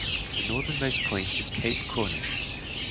The northernmost point is Cape Cornish.